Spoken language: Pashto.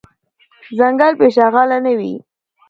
ځنګل بی شغاله نه وي .